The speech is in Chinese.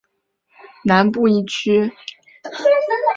长田区是神户市中南部的一区。